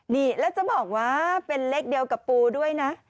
นี่แล้วจะบอกว่าเป็นเลขเดียวกับปูด้วยนะ